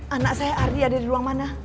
anak saya ardi ada di ruang mana